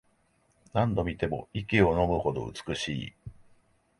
何度見ても息をのむほど美しい